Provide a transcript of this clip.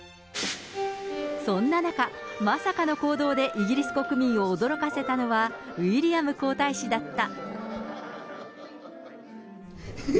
そんな中、まさかの行動でイギリス国民を驚かせたのは、ウィリアム皇太子だった。